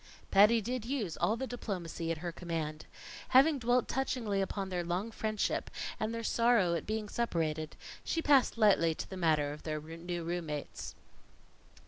Patty did use all the diplomacy at her command. Having dwelt touchingly upon their long friendship, and their sorrow at being separated, she passed lightly to the matter of their new room mates.